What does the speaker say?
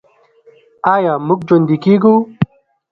آیا موږ ژوندي کیږو؟